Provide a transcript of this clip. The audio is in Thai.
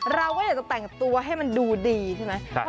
เราก็อยากจะแต่งตัวให้มันดูดีใช่ไหม